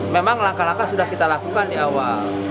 memang langkah langkah sudah kita lakukan di awal